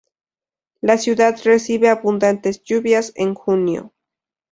La ciudad recibe abundantes lluvias en junio.